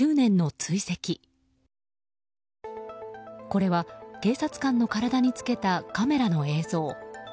これは警察官の体につけたカメラの映像。